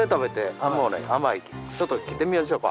ちょっと切ってみましょうか。